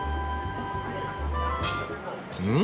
うん？